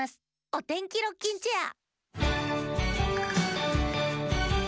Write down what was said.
「おてんきロッキンチェア」